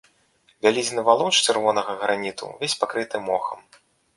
Вялізны валун з чырвонага граніту ўвесь пакрыты мохам.